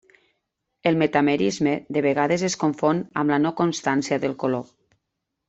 El metamerisme de vegades es confon amb la no constància del color.